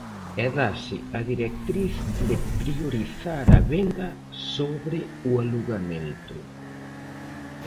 E dáse a directriz de priorizar a venda sobre o alugamento.